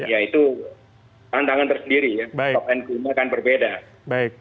ya itu tantangan tersendiri ya top end gunakan berbeda